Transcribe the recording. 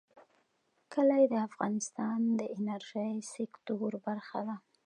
کلي د افغانستان د انرژۍ سکتور برخه ده.